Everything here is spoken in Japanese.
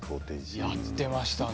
やっていましたね